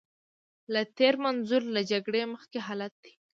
له تېر منظور له جګړې مخکې حالت دی.